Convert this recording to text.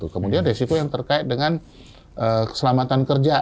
kemudian resiko yang terkait dengan keselamatan kerja